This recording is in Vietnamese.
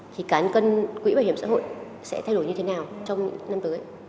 thì cán cân quỹ bảo hiểm xã hội sẽ thay đổi như thế nào trong năm tới